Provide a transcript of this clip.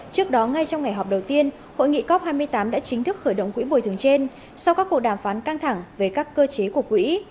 trước đó ngay trong ngày họp đầu tiên hội nghị cop hai mươi tám đã chính thức khởi động quỹ bồi thường trên sau các cuộc đàm phán căng thẳng về các cơ chế của quỹ